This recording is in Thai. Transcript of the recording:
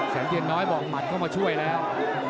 เย็นน้อยบอกหมัดเข้ามาช่วยแล้ว